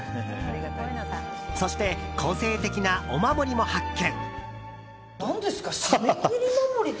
そして、個性的なお守りも発見。